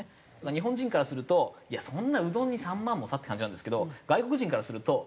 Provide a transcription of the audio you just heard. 日本人からするといやそんなうどんに３万もさって感じなんですけど外国人からすると。